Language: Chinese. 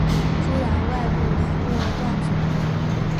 朱然外部连络断绝。